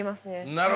なるほど。